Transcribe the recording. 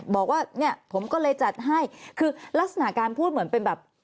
บอกว่าเนี่ยผมก็เลยจัดให้คือลักษณะการพูดเหมือนเป็นแบบ